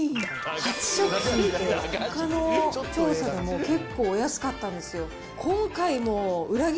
ハチ食品ってほかの調査でも、結構お安かったんですよ。